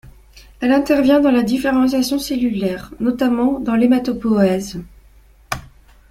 Elle intervient dans la différenciation cellulaire, notamment dans l'hématopoïèse.